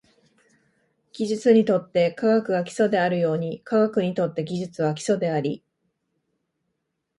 技術にとって科学が基礎であるように、科学にとって技術は基礎であり、